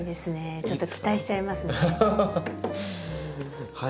ちょっと期待しちゃいますね。